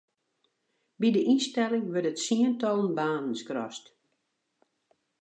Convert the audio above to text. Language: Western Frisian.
By de ynstelling wurde tsientallen banen skrast.